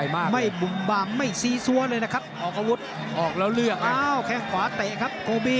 ไม่บุ้มบ้างไม่ซีซัวเลยนะครับ